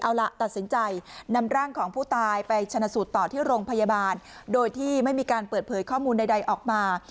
เอาล่ะตัดสินใจนำร่างของผู้ตายไปชนะสูตรต่อที่โรงพยาบาลโดยที่ไม่มีการเปิดเผยข้อมูลใดออกมา